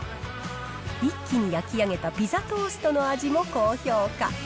一気に焼き上げたピザトーストの味も高評価。